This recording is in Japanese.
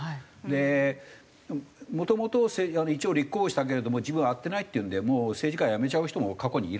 でもともと一応立候補したけれども自分は合ってないっていうんでもう政治家辞めちゃう人も過去にいらっしゃるんです。